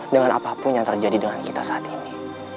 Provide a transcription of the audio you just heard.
dengan apapun yang terjadi dengan kita saat ini